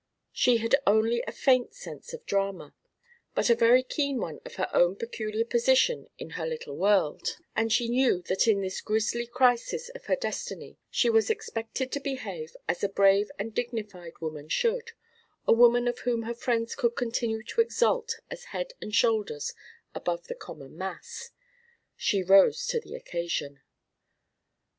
She had only a faint sense of drama, but a very keen one of her own peculiar position in her little world, and she knew that in this grisly crisis of her destiny she was expected to behave as a brave and dignified woman should a woman of whom her friends could continue to exult as head and shoulders above the common mass. She rose to the occasion.